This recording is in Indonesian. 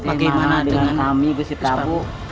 bagaimana dengan kami gusti prabu